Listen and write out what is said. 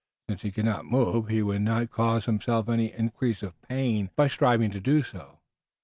Since he could not move he would not cause himself any increase of pain by striving to do so.